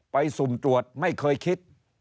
สุ่มตรวจไม่เคยคิด